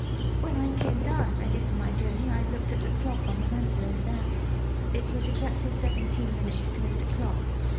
When I came down, ready for my journey, I looked at the clock on the mantel over there. It was exactly seventeen minutes to eight o'clock.